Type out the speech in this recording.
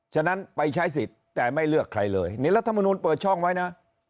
ฉะนั้นไปใช้สิทธิ์แต่ไม่เลือกใครเลยนี่รัฐมนุนเปิดช่องไว้นะ